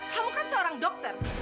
kamu kan seorang dokter